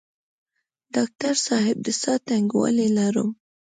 ډاکټر صاحب د ساه تنګوالی لرم؟